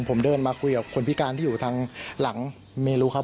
ผมเดินมาคุยกับคนพิการที่อยู่ทางหลังเมนูครับ